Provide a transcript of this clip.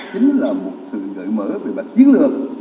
chính là một sự gợi mở về mặt chiến lược